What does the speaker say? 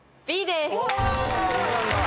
Ｂです！